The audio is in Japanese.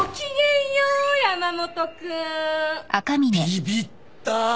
ビビった！